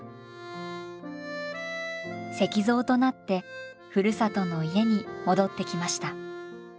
石像となってふるさとの家に戻ってきました。